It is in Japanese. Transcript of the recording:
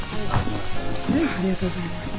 ありがとうございます。